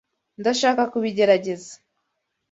Ndashaka kubigerageza.